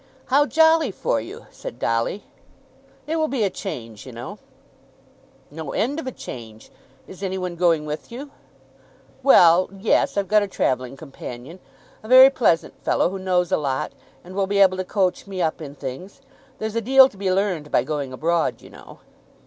"How jolly for you!" said Dolly. "It will be a change, you know." "No end of a change. Is any one going with you?" "Well; yes. I've got a travelling companion; a very pleasant fellow, who knows a lot, and will be able to coach me up in things. There's a deal to be learned by going abroad, you know."